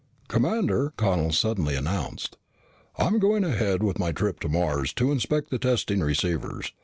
"Commander," Connel suddenly announced, "I'm going ahead with my trip to Mars to inspect the testing receivers.